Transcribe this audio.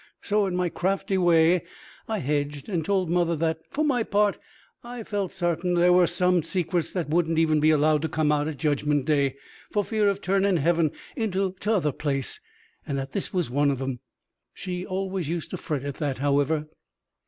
So, in my crafty way, I hedged, and told mother that, for my part, I felt sartain there were some secrets that wouldn't even be allowed to come out at Judgment Day, for fear of turning heaven into t'other place; and that this was one of 'em. She always used to fret at that, however.